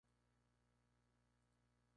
Mary's de Londres.